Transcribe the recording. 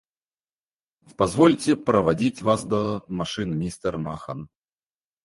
Позвольте проводить вас до машины, мистер Махон.